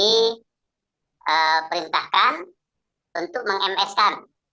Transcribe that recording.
diperintahkan untuk meng ms kan